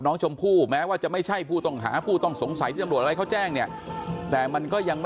น้องชมผู้แม้ว่าจะไม่ใช่ผู้ต้องหา